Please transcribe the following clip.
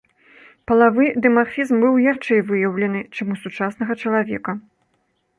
Палавы дымарфізм быў ярчэй выяўлены, чым у сучаснага чалавека.